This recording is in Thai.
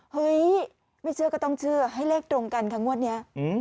เฮ้ยไม่เชื่อก็ต้องเชื่อให้เลขตรงกันค่ะงวดนี้